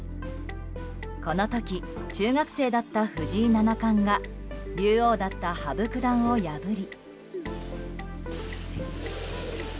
この時、中学生だった藤井七冠が竜王だった羽生九段を破り。